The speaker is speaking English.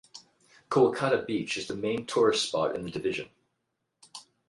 Kuakata beach is the main tourist spot in the division.